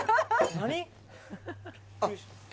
何？